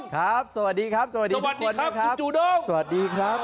ครับสวัสดีครับสวัสดีทุกคนนะครับสวัสดีครับครับสวัสดีครับสวัสดีครับ